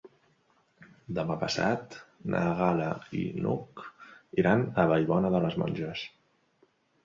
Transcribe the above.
Demà passat na Gal·la i n'Hug iran a Vallbona de les Monges.